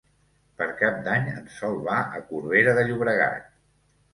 Per Cap d'Any en Sol va a Corbera de Llobregat.